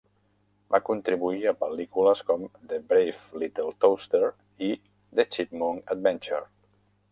Va contribuir a pel·lícules com "The Brave Little Toaster" i "The Chipmunk Adventure".